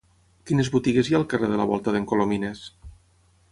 Quines botigues hi ha al carrer de la Volta d'en Colomines?